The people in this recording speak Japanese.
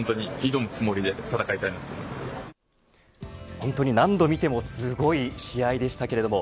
本当に何度見てもすごい試合でしたけれども。